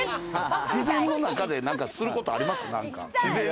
自然の中ですることあります？